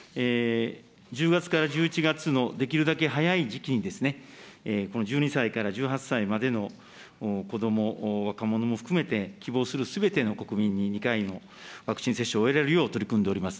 １０月から１１月のできるだけ早い時期に、この１２歳から１８歳までの子ども、若者も含めて希望するすべての国民に２回のワクチン接種を終えられるよう取り組んでおります。